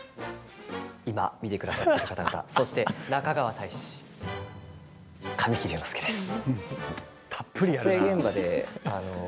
今、見てくださっている方々そして中川大志、神木隆之介です。